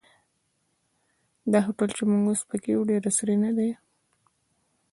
دا هوټل چې اوس موږ په کې یو ډېر عصري نه دی.